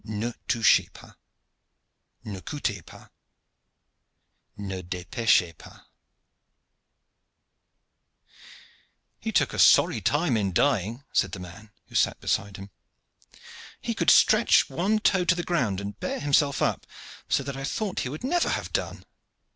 Ne touchez pas, Ne coutez pas, Ne depechez pas. "He took a sorry time in dying," said the man who sat beside him. "He could stretch one toe to the ground and bear himself up, so that I thought he would never have done.